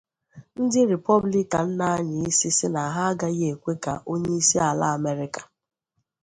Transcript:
Ndị Rịpọblịkan na-anya isi si na ha agaghị ekwe ka onye isi ala Amerịka